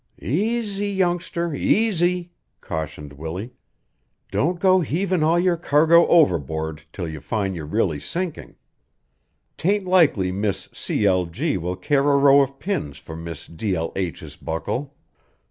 "Easy, youngster! Easy!" cautioned Willie. "Don't go heavin' all your cargo overboard 'till you find you're really sinkin'. 'Tain't likely Miss C. L. G. will care a row of pins for Miss D. L. H.'s buckle.